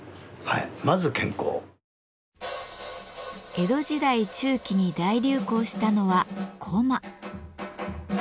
江戸時代中期に大流行したのはこま。